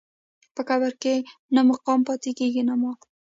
په قبر کې نه مقام پاتې کېږي نه مال.